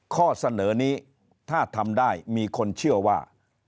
ข้อเสนอนี้ถ้าทำได้มีคนเชื่อว่า